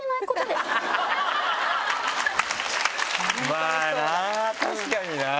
まぁな確かにな！